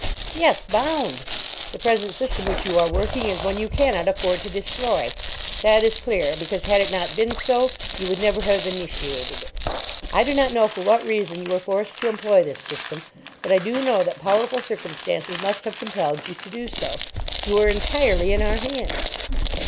"Yes, bound. The present system which you are working is one you cannot afford to destroy. That is clear, because, had it not been so, you would never have initiated it. I do not know for what reason you were forced to employ this system, but I do know that powerful circumstances must have compelled you to do so. You are entirely in our hands."